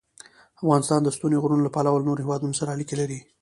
افغانستان د ستوني غرونه له پلوه له نورو هېوادونو سره اړیکې لري.